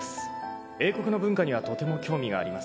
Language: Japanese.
「英国の文化にはとても興味があります」